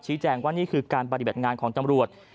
แจ้งว่านี่คือการปฏิบัติงานของตำรวจ